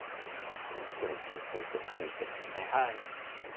一人一人チェックをして、サインをしてますね。